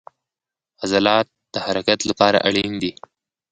عضلات د حرکت لپاره اړین دي